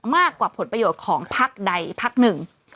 มากกว่าผลประโยชน์ของภักดิ์ใดภักดิ์หนึ่ง